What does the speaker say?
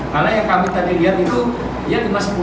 karena yang kami tadi lihat itu ya lima sepuluh